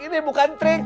ini bukan trik